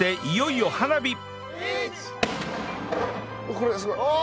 これはすごい。